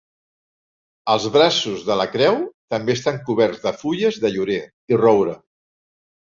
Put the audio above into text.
Els braços de la creu també estan coberts de fulles de llorer i roure.